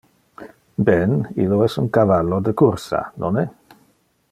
Ben, illo es un cavallo de cursa, nonne?